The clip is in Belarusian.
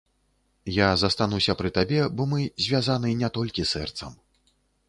Я застануся пры табе, бо мы звязаны не толькі сэрцам.